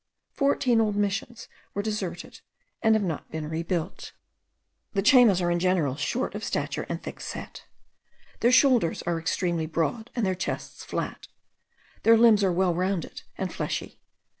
Fourteen old Missions were deserted, and have not been rebuilt. The Chaymas are in general short of stature and thick set. Their shoulders are extremely broad, and their chests flat. Their limbs are well rounded, and fleshy.